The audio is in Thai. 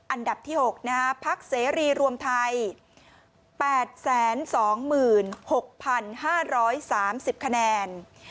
อันดับที่๖พักเสรีรวมไทย๘๒๖๕๓๐คะแนน